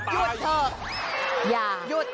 หยุดเถอะอย่า